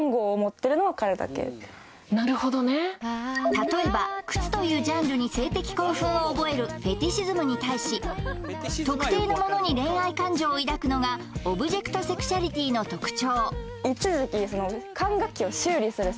例えば靴というジャンルに性的興奮を覚えるフェティシズムに対し特定のものに恋愛感情を抱くのがオブジェクトセクシュアリティの特徴